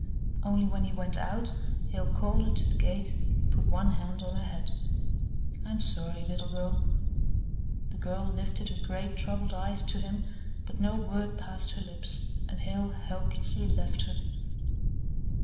Only when he went out, Hale called her to the gate and put one hand on her head. "I'm sorry, little girl." The girl lifted her great troubled eyes to him, but no word passed her lips, and Hale helplessly left her.